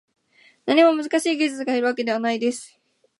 何も難しい技術がいるわけではないです